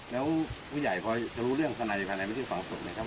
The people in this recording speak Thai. อ๋อแล้วผู้ใหญ่พอจะรู้เรื่องขนาดไหนไปที่ฝังศพนี้ครับ